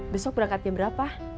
besok berangkatnya berapa